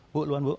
bu luar bu